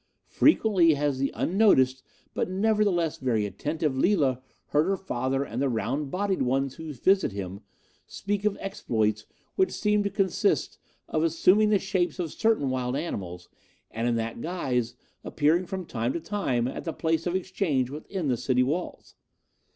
Frequently has the unnoticed but nevertheless very attentive Lila heard her father and the round bodied ones who visit him speak of exploits which seem to consist of assuming the shapes of certain wild animals, and in that guise appearing from time to time at the place of exchange within the city walls.